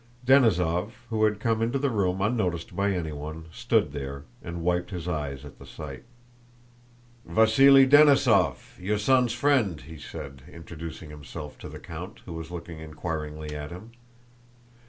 Denísov, who had come into the room unnoticed by anyone, stood there and wiped his eyes at the sight. "Vasíli Denísov, your son's friend," he said, introducing himself to the count, who was looking inquiringly at him.